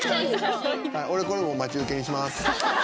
俺これ待ち受けにします。